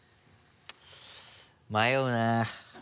迷うな。